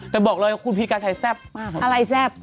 แต่บอกเลยว่าคุณพีกาชัยแซ่บมากครับอะไรแซ่บ